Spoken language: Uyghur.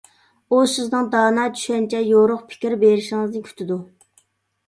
ئۇ سىزنىڭ دانا چۈشەنچە، يورۇق پىكىر بېرىشىڭىزنى كۈتىدۇ.